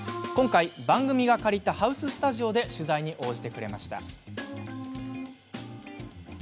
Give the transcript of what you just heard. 今回、番組が借りたハウススタジオで取材に応じてくれました。